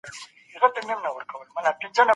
تاسو بايد د خپلو همکارانو سره ښه چلند وکړئ.